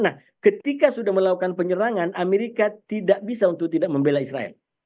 nah ketika sudah melakukan penyerangan amerika tidak bisa untuk tidak membela israel